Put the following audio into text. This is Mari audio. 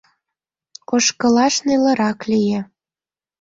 Ошкылаш нелырак лие